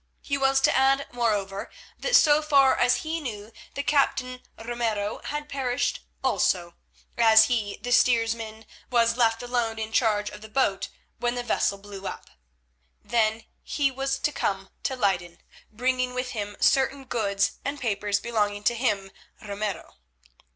He was to add, moreover, that so far as he knew the Captain Ramiro had perished also, as he, the steersman, was left alone in charge of the boat when the vessel blew up. Then he was to come to Leyden, bringing with him certain goods and papers belonging to him, Ramiro.